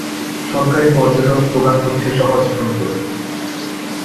সরকারী পর্যটন স্লোগান হচ্ছে "সহজ সুন্দর"।